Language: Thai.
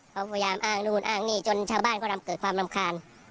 เขาพยายามอ้างนู่นอ้างนี่จนชาวบ้านก็เกิดความรำคาญ